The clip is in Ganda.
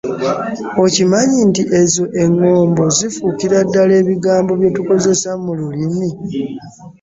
Okimanyi nti ezo eŋŋombo zifuukira ddala ebigambo bye tukozesa mu lulimi?